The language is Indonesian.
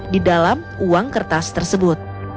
di dalam uang kertas tersebut